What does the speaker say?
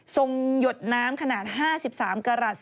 หยดน้ำขนาด๕๓กรัฐ